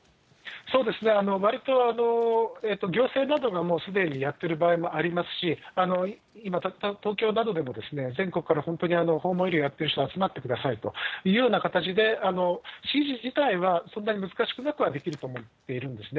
わりと行政などがもうすでにやってる場合もありますし、今、東京などでも全国から本当に訪問医療をやっている人集まってくださいというような形で指示自体はそんなに難しくなくはできると思っているんですね。